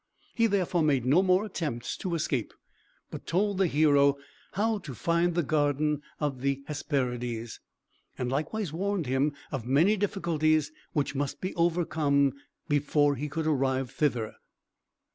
He therefore made no more attempts to escape, but told the hero how to find the garden of the Hesperides, and likewise warned him of many difficulties which must be overcome before he could arrive thither.